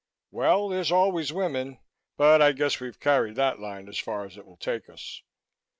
"Well, there's always women but I guess we've carried that line as far as it will take us.